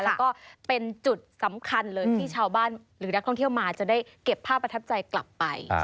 แล้วก็เป็นจุดสำคัญเลยที่ชาวบ้านหรือนักท่องเที่ยวมาจะได้เก็บภาพประทับใจกลับไป